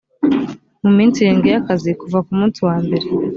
mu minsi irindwi y akazi kuva ku munsi wa mbere